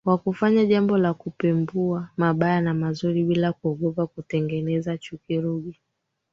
wa kufanya jambo la kupembua mabaya na mazuri bila kuogopa kutengeneza Chuki Ruge